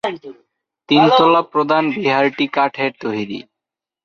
তিনতলা প্রধান বিহারটি কাঠের তৈরী।